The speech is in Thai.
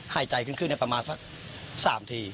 หายใจขึ้นประมาณสัก๓ที